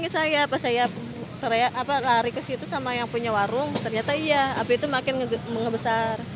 saya pas saya lari ke situ sama yang punya warung ternyata iya api itu makin mengebesar